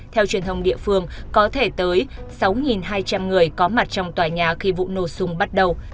theo truyền thông địa phương có thể tới sáu hai trăm linh người có mặt trong tòa nhà khi vụ nổ súng bắt đầu